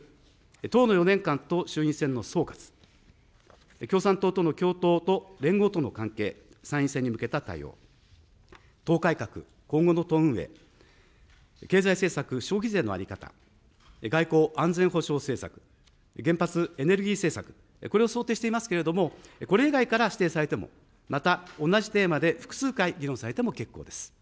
党の４年間と衆院選の総括、共産党との共闘と連合との関係、参院選に向けた対応、党改革・今後の党運営、経済政策、消費税の在り方、外交・安全保障政策、原発・エネルギー政策、これを想定していますけれども、これ以外から指定されても、また同じテーマで複数回、議論されても結構です。